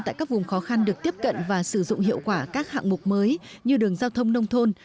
tại các vùng khó khăn được tiếp cận và sử dụng hiệu quả các hạng mục mới như đường giao thông nông thôn